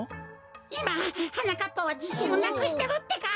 いまはなかっぱはじしんをなくしてるってか！